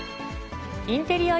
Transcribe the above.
インテリア